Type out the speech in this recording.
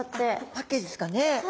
パッケージですかね。